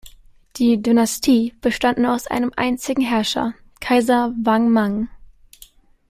Die „Dynastie“ bestand nur aus einem einzigen Herrscher, Kaiser Wang Mang.